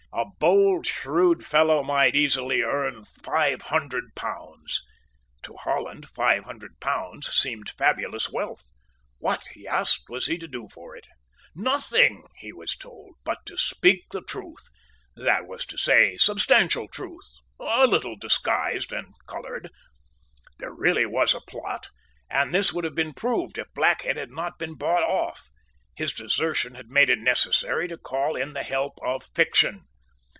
A bold, shrewd, fellow might easily earn five hundred pounds. To Holland five hundred pounds seemed fabulous wealth. What, he asked, was he to do for it? Nothing, he was told, but to speak the truth, that was to say, substantial truth, a little disguised and coloured. There really was a plot; and this would have been proved if Blackhead had not been bought off. His desertion had made it necessary to call in the help of fiction.